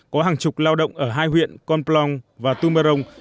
có hàng chục lao động ở hai huyện con plong và tumberong